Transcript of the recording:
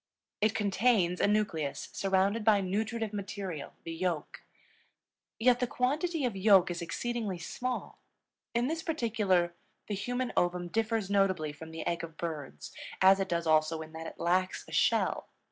It contains a nucleus surrounded by nutritive material, the yolk. Yet the quantity of yolk is exceedingly small. In this particular the human ovum differs notably from the egg of birds, as it does also in that it lacks a shell.